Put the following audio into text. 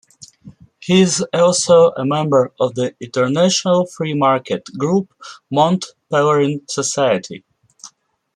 He is also a member of the international free-market group Mont Pelerin Society.